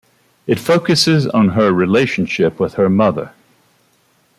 It focuses on her relationship with her mother.